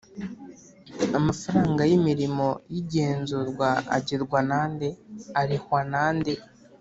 amafaranga y’imirimo y’igenzurwa agerwa nande?arihwa nande?